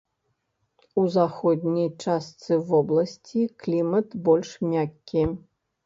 У заходняй частцы вобласці клімат больш мяккі.